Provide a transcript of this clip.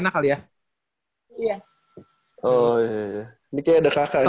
oh iya iya ini kayak ada kakak disini